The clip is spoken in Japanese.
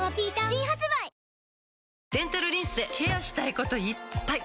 新発売デンタルリンスでケアしたいこといっぱい！